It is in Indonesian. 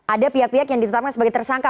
ada pihak pihak yang ditetapkan sebagai tersangka